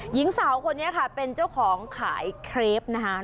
หญิงสาวคนนี้ค่ะเป็นเจ้าของขายเครปนะคะ